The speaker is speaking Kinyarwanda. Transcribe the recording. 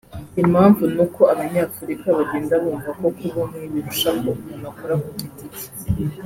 Impamvu ni uko abanyafurika bagenda bumva ko kuba umwe birusha ko umuntu akora ku giti cye